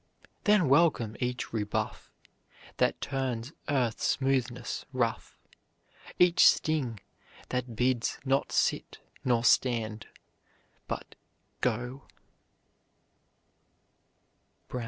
Then welcome each rebuff, That turns earth's smoothness rough, Each sting, that bids not sit nor stand but go.